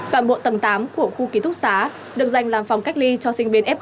toàn bộ tầng tám của khu ký thúc xá được dành làm phòng cách ly cho sinh viên f